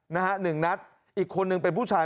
นะฮะ๑นัทอีกคนนึงเป็นผู้ชาย